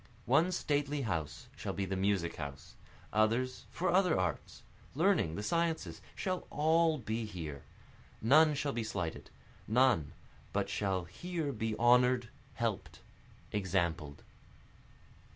One stately house shall be the music house, Others for other arts learning, the sciences, shall all be here, None shall be slighted, none but shall here be honor'd, help'd, exampled.